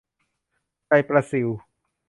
ใจปลาซิว